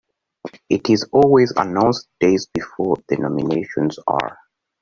It is always announced days before the nominations are.